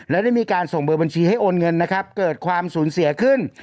และได้มีการส่งเบอร์บัญชีให้โอนเงินนะครับเกิดความสูญเสียขึ้น